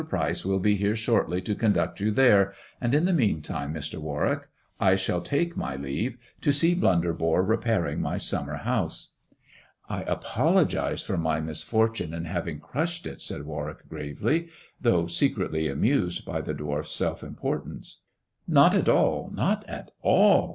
Pryce will be here shortly to conduct you there, and in the meantime, Mr. Warwick, I shall take my leave, to see Blunderbore repairing my summer house." "I apologize for my misfortune in having crushed it," said Warwick gravely, though secretly amused by the dwarf's self importance. " Not at all ! not at all